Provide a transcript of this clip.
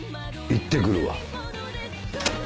行って来るわ。